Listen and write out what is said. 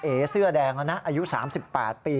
เอเสื้อแดงแล้วนะอายุ๓๘ปี